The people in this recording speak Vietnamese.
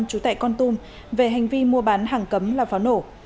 chú tại con tum về hành vi mua bán hàng cấm là pháo nổ